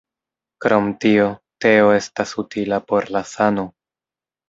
Krom tio, teo estas utila por la sano.